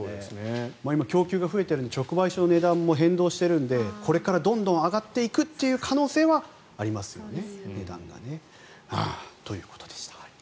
今、供給が増えているので直売所の値段も変動しているのでこれから値段がどんどん上がっていくという可能性はありますよね。